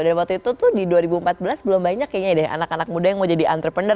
pada waktu itu tuh di dua ribu empat belas belum banyak kayaknya deh anak anak muda yang mau jadi entrepreneur